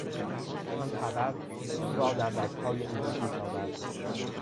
آن خبر خون را در رگهای او به جوش آورد.